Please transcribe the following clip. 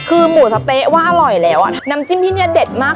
คือหมูสะเต๊ะว่าอร่อยแล้วอ่ะน้ำจิ้มที่นี่เด็ดมาก